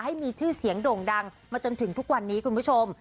ให้มีชื่อเสียงโด่งดังมาจนถึงทุกวันนี้คุณผู้ชม